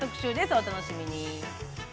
お楽しみに。